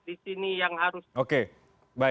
disini yang harus terluka